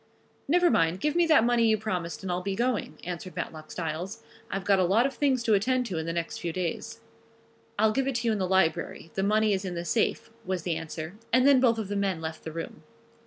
"Never mind, give me that money you promised and I'll be going," answered Matlock Styles. "I've got a lot of things to attend to in the next few days." "I'll give it to you in the library. The money is in the safe," was the answer, and then both of the men left the room.